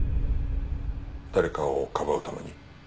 誰かをかばうために。